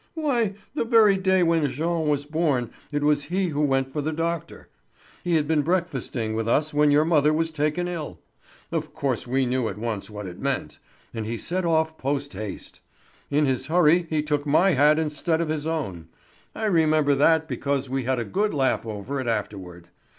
Why, the very day when Jean was born it was he who went for the doctor. He had been breakfasting with us when your mother was taken ill. Of course we knew at once what it meant, and he set off post haste. In his hurry he took my hat instead of his own. I remember that because we had a good laugh over it afterward.